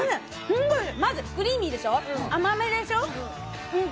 まずクリーミーでしょ、甘めでしょ。